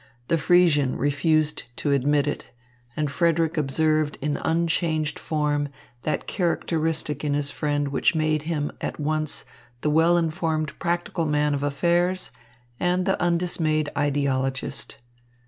The Friesian refused to admit it, and Frederick observed in unchanged form that characteristic in his friend which made of him at once the well informed practical man of affairs and the undismayed ideologist.